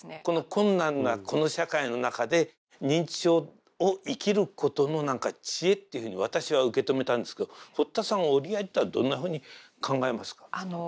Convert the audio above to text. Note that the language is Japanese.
この困難なこの社会の中で認知症を生きることの何か知恵っていうふうに私は受け止めたんですけど堀田さんは折り合いといったらどんなふうに考えますか？